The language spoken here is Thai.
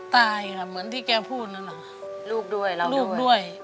ตายค่ะเหมือนที่แกพูดนั่นแหละลูกด้วยรักลูกด้วย